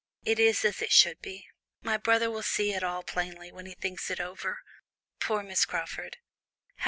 "It is as it should be. My brother will see it all plainly, when he thinks it over. Poor Miss Crawford!